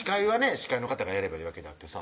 司会の方がやればいいわけであってさ